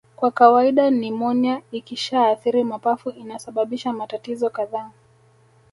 Kwa kawaida nimonia ikishaathiri mapafu inasababisha matatizo kadhaa